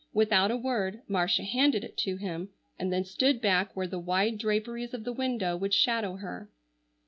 Without a word Marcia handed it to him, and then stood back where the wide draperies of the window would shadow her.